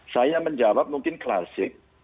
saya menjawab mungkin klasik